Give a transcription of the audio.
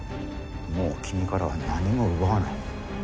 もう君からは何も奪わない。